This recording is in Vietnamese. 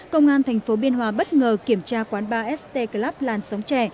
công an tp biên hòa bất ngờ kiểm tra quán bar st club làn sóng trẻ